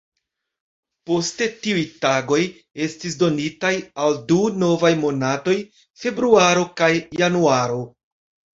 Poste tiuj tagoj estis donitaj al du novaj monatoj, februaro kaj januaro.